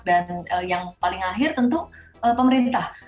dan yang paling akhir tentu pemerintah